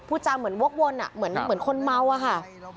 จาเหมือนวกวนเหมือนคนเมาอะค่ะ